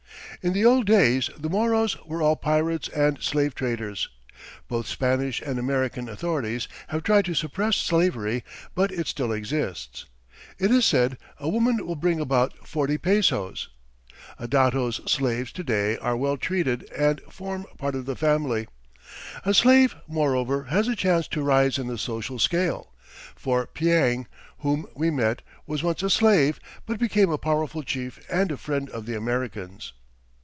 In the old days the Moros were all pirates and slave traders. Both Spanish and American authorities have tried to suppress slavery, but it still exists. It is said a woman will bring about forty pesos. A dato's slaves to day are well treated, and form part of the family. A slave, moreover, has a chance to rise in the social scale, for Piang, whom we met, was once a slave, but became a powerful chief and a friend of the Americans.